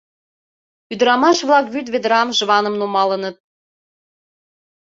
Ӱдырамаш-влак вӱд ведрам, жваным нумалыныт.